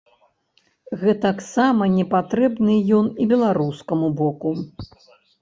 Гэтаксама не патрэбны ён і беларускаму боку.